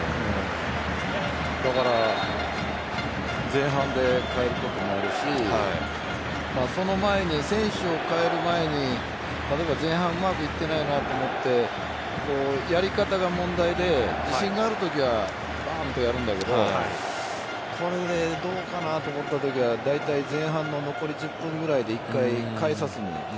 前半で代えることもあるしその前に選手を代える前に例えば前半うまくいってないなと思ってやり方が問題で自信があるときはバーンとやるんだけどこれでどうかなと思ったときはだいたい前半の残り１０分ぐらいで１回代えさせる。